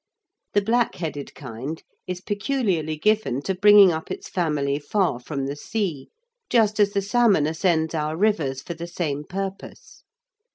The black headed kind is peculiarly given to bringing up its family far from the sea, just as the salmon ascends our rivers for the same purpose.